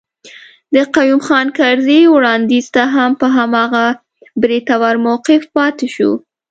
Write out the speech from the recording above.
د قيوم خان کرزي وړانديز ته هم په هماغه بریتور موقف پاتي شو.